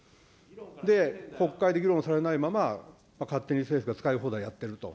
で、国会で議論されないまま、勝手に政府が使い放題やってると。